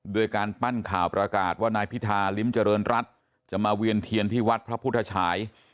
โดยการปั้นข่าวประกาศว่านายพิธาลิ้มเจริญรัฐจะมาเวียนเทียนที่วัดพระพุทธฉาย